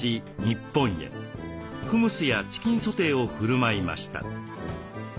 フムスやチキンソテーをふるまいました。